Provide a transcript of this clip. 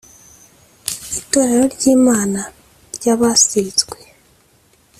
Itorero ry Imana ry abasizwe